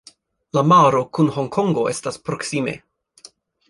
La maro kun Honkongo estas proksime.